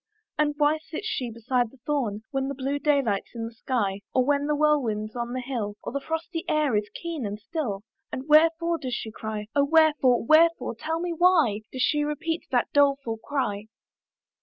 "And why sits she beside the thorn "When the blue day light's in the sky, "Or when the whirlwind's on the hill, "Or frosty air is keen and still, "And wherefore does she cry? "Oh wherefore? wherefore? tell me why "Does she repeat that doleful cry?"